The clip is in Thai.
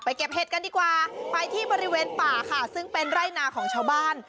เก็บเห็ดกันดีกว่าไปที่บริเวณป่าค่ะซึ่งเป็นไร่นาของชาวบ้าน